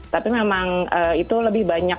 tapi memang itu lebih banyak